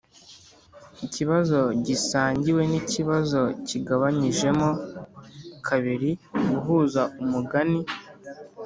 ikibazo gisangiwe nikibazo kigabanyijemo kabiri guhuza umugani